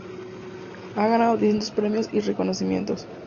Ha ganado distintos premios y reconocimientos.